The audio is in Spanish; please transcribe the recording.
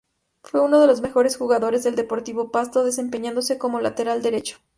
Fue uno de los mejores jugadores del Deportivo Pasto, desempeñándose como lateral derecho.